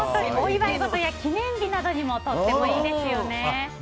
お祝い事や記念日などにもとてもいいですよね。